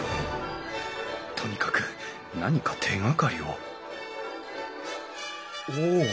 とにかく何か手がかりをお！